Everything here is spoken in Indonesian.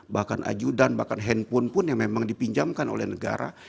bahkan ajudan bahkan handphone pun yang memang dipinjamkan oleh negara